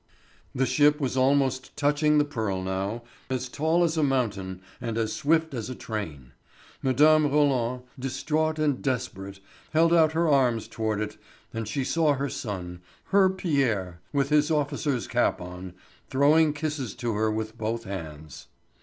The ship was almost touching the Pearl now, as tall as a mountain and as swift as a train. Mme. Roland, distraught and desperate, held out her arms towards it; and she saw her son, her Pierre, with his officer's cap on, throwing kisses to her with both hands.